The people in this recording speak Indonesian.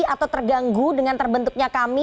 atau terganggu dengan terbentuknya kami